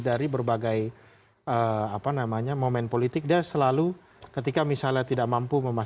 dari berbagai apa namanya momen politik dia selalu ketika misalnya tidak mampu memperbaiki